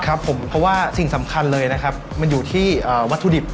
ครับผมเพราะว่าสิ่งสำคัญเลยนะครับมันอยู่ที่วัตถุดิบ